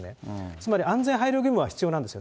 つまり、安全配慮義務は必要なんですよ。